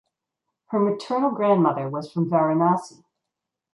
Her maternal grandmother was from Varanasi.